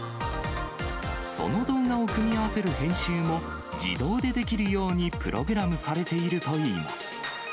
その動画を組み合わせる編集も自動でできるようにプログラムされているといいます。